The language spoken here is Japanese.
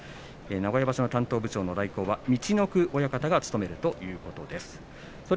名古屋場所の担当部長の代行は陸奥親方が務めます。